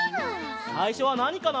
さいしょはなにかな？